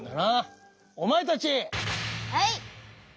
はい！